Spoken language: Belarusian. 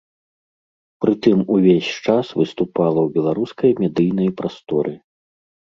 Прытым увесь час выступала ў беларускай медыйнай прасторы.